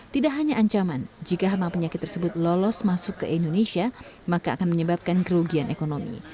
tidak hanya ancaman jika hama penyakit tersebut lolos masuk ke indonesia maka akan menyebabkan kerugian ekonomi